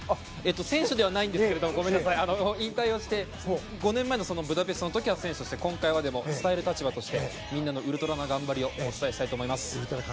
選手ではないんですけども引退をして５年前のブダペストの時は選手として今回は伝える立場としてみんなのウルトラな頑張りを伝えていきたいと思います。